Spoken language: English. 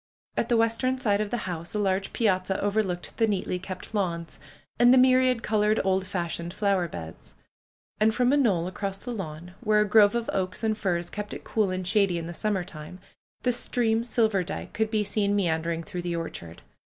At the western side of the house a large piazza overlooked the neatly kept lawns, and the myriad colored, old fashioned flow er beds. And from a knoll across the lawn, where a grove of oaks and firs kept it cool and shady in the summer time, the stream Silverdike could be seen me andering through the orchard.